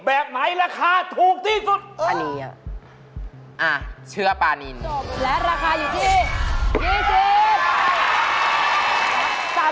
อันนี้อ่ะเชื้อปานินและราคาอยู่ที่๒๐บาท